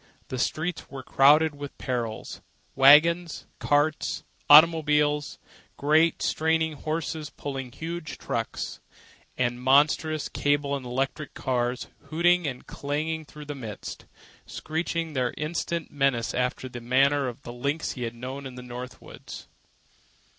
The streets were crowded with perils—waggons, carts, automobiles; great, straining horses pulling huge trucks; and monstrous cable and electric cars hooting and clanging through the midst, screeching their insistent menace after the manner of the lynxes he had known in the northern woods.